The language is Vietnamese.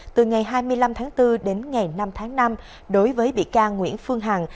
từ ngày hai mươi năm tháng bốn đến ngày năm tháng năm đối với bị can nguyễn phương hằng